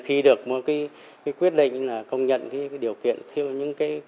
khi được một quyết định công nhận điều kiện